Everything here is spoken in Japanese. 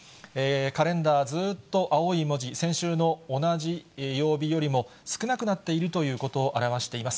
カレンダー、ずっと青い文字、先週の同じ曜日よりも少なくなっているということを表しています。